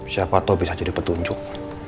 siapa tau bisa jadi petunjuk